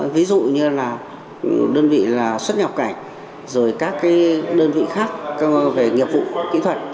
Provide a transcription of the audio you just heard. ví dụ như là đơn vị là xuất nhập cảnh rồi các đơn vị khác về nghiệp vụ kỹ thuật